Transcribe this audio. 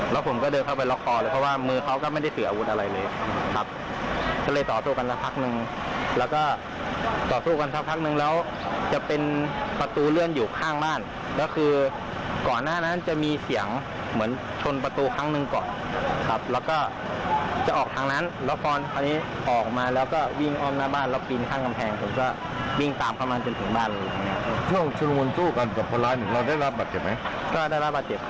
แล้วผมก็เดินเข้าไปล็อกคอเลยเพราะว่ามือเขาก็ไม่ได้ถืออาวุธอะไรเลยครับก็เลยต่อสู้กันสักพักนึงแล้วก็ต่อสู้กันสักพักนึงแล้วจะเป็นประตูเลื่อนอยู่ข้างบ้านแล้วคือก่อนหน้านั้นจะมีเสียงเหมือนชนประตูครั้งหนึ่งก่อนครับแล้วก็จะออกทางนั้นแล้วพอคราวนี้ออกมาแล้วก็วิ่งอ้อมหน้าบ้านแล้วปีนข้างกำแพงผมก็วิ่งตามเข้ามาจนถึงบ้านเลย